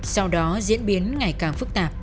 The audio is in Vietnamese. sau đó diễn biến ngày càng phức tạp